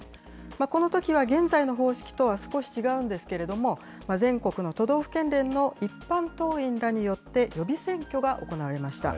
このときは、現在の方式とは少し違うんですけれども、全国の都道府県連の一般党員らによって、予備選挙が行われました。